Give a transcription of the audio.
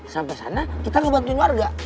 sampai sana kita ngebantuin warga